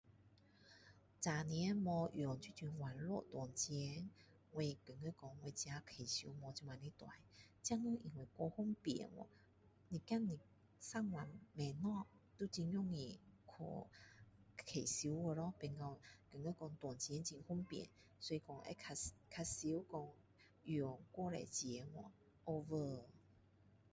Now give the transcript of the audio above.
以前没用这种网络转钱我觉得说我自己开销没这么的大现在太方便去上网买东西都很容易去开销了咯变成觉得说转钱很方便所以会比较常比较常说用太多钱去咯 over